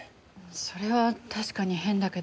それは確かに変だけど。